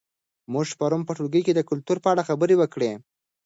موږ پرون په ټولګي کې د کلتور په اړه خبرې وکړې.